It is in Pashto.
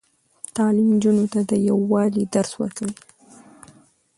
تعلیم نجونو ته د یووالي درس ورکوي.